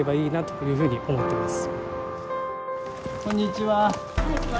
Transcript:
・はいこんにちは。